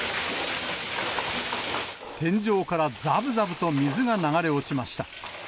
天井からざぶざぶと水が流れ落ちました。